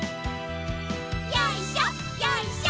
よいしょよいしょ。